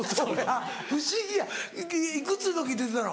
不思議やいくつの時出てたの？